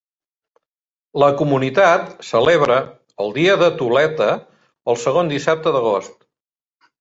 La comunitat celebra el Dia de Tuleta el segon dissabte d'agost.